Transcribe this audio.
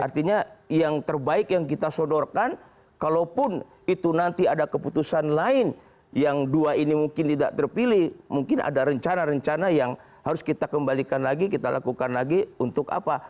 jadi yang terbaik yang kita sodorkan kalaupun itu nanti ada keputusan lain yang dua ini mungkin tidak terpilih mungkin ada rencana rencana yang harus kita kembalikan lagi kita lakukan lagi untuk apa